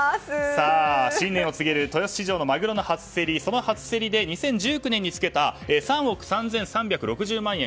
新年を告げる豊洲市場のマグロの初競りで２０１９年につけた３億３３６０万円